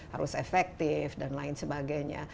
harus efektif dan lain sebagainya